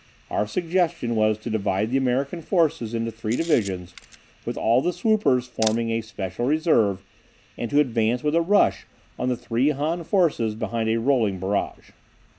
Our suggestion was to divide the American forces into three divisions, with all the swoopers forming a special reserve, and to advance with a rush on the three Han forces behind a rolling barrage.